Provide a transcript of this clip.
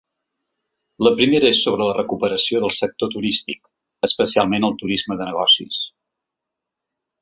La primera és sobre la recuperació del sector turístic, especialment el turisme de negocis.